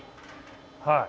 はい。